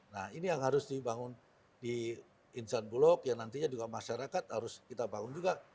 nah ini yang harus dibangun di insan bulog yang nantinya juga masyarakat harus kita bangun juga